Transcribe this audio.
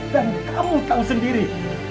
dan kamu tahu sendiri